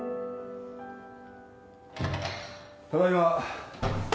・ただいま。